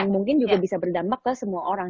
mungkin juga bisa berdampak ke semua orang